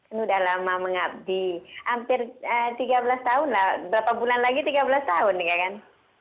ini udah lama mengabdi hampir tiga belas tahun lah berapa bulan lagi tiga belas tahun ya kan